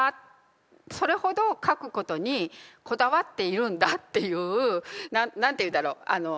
それほど書くことにこだわっているんだっていう何ていうんだろう